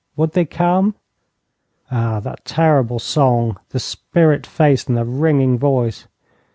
Would they come? Ah, that terrible song, the spirit face and the ringing voice!